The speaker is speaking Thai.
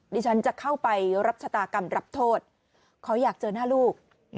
ดิฉันจะเข้าไปรับชะตากรรมรับโทษขออยากเจอหน้าลูก